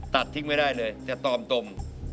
ตัดทิ้งไม่ได้เลยจะตอมตม